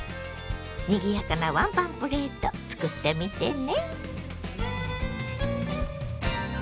にぎやかなワンパンプレート作ってみてね。